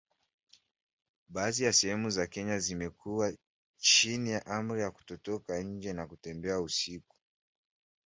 Baadhi ya sehemu za Kenya zimekuwa chini ya amri ya kutotoka nje na kutembea usiku